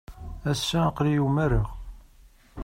Ass-a, aql-iyi umareɣ.